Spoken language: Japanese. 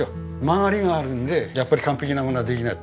曲がりがあるんでやっぱり完璧なものはできない。